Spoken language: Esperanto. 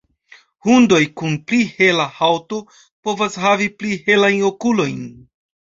Hundoj kun pli hela haŭto povas havi pli helajn okulojn.